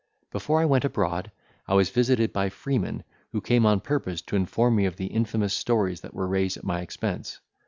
Before I went abroad, I was visited by Freeman, who came on purpose to inform me of the infamous stories that were raised at my expense.